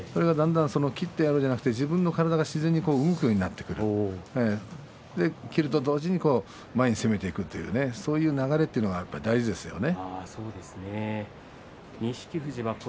だんだん切ってやろうではなくて自分の体が自然に動くようになってくると切ると同時に前に攻めていくというそういう流れが大事ですね。